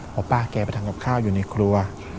เพราะป้าแกไปทำกับข้าวอยู่ในครัว